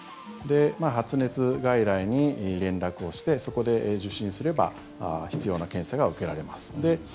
発熱外来に連絡をしてそこで受診すれば必要な検査が受けられます。